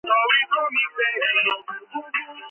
შემქმნელთა ჯგუფს ხელმძღვანელობდა ჰიროიუკი კობაიასი.